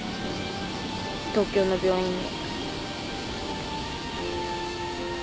東京の病院に。